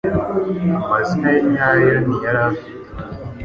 amazina ye nyayo ni yari afite